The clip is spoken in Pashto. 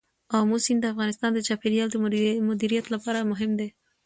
آمو سیند د افغانستان د چاپیریال د مدیریت لپاره مهم دی.